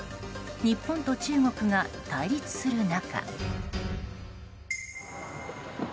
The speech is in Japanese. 日本と中国が対立する中。